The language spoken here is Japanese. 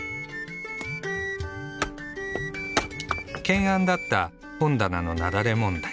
懸案だった本棚の雪崩問題。